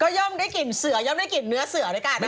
ก็ย่อมได้กลิ่นเสือย่อมได้กลิ่นเนื้อเสืออะไรกะนั้นไหม